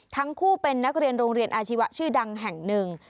ทั้งคู่เป็นนักเรียนโรงเรียนอาชีวะชื่อดังแห่งหนึ่ง